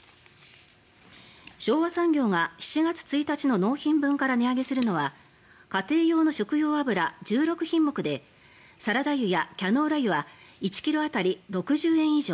昭和産業が７月１日の納品分から値上げするのは家庭用の食用油１６品目でサラダ油やキャノーラ油は１ｋｇ当たり６０円以上